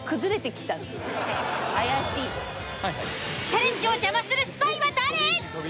チャレンジを邪魔するスパイは誰？